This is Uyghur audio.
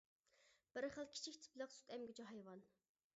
بىر خىل كىچىك تىپلىق سۈت ئەمگۈچى ھايۋان.